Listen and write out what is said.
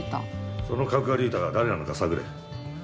そのカクガリータが誰なのか探れ。